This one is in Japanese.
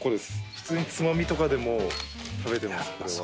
普通に、つまみとかでも食べてます、これは。